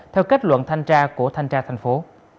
theo kết luận thanh tra của thanh tra thành phố